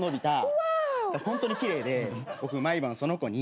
ホワーオ！がホントに奇麗で僕毎晩その子に。